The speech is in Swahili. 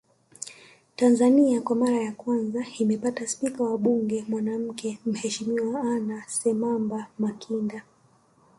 Tanzania kwa mara ya kwanza imepata spika wa mbuge mwanamke Mheshimiwa Anna Semamba Makinda